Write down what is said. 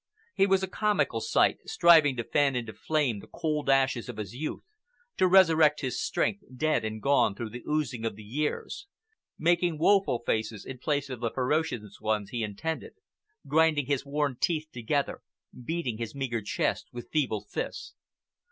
He was a comical sight, striving to fan into flame the cold ashes of his youth, to resurrect his strength dead and gone through the oozing of the years—making woeful faces in place of the ferocious ones he intended, grinding his worn teeth together, beating his meagre chest with feeble fists.